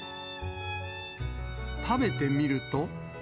食べてみると。